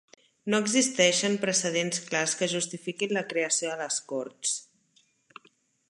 No existeixen precedents clars que justifiquin la creació de les Corts.